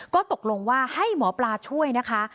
ก็ตกลงว่าให้หมอปลาช่วยนะคะ